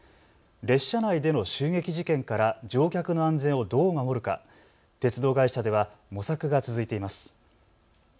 列車内での襲撃事件から乗客の安全をどう守るか、鉄道会社では模索が続いています。